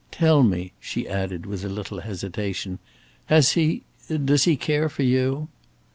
Tell me!" she added, with a little hesitation; "has he does he care for you?"